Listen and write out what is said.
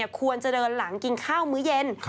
ควรจะเดินหลังกินข้าวมื้อเย็น